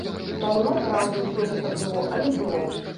Даўно, праўда, усё гэта было, але было!